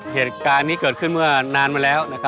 เหตุการณ์นี้เกิดขึ้นเมื่อนานมาแล้ว